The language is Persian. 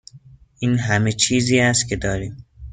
این همه چیزی است که داریم.